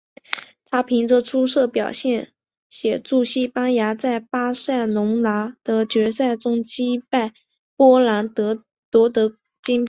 他凭着出色表现协助西班牙在巴塞隆拿的决赛中击败波兰夺得金牌。